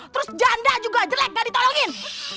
terus janda juga jelek gak ditolongin